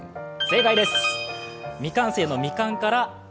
正解です。